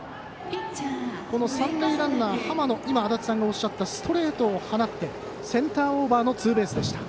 三塁ランナー、浜野が足達さんがおっしゃったストレートを放ってセンターオーバーのツーベースでした。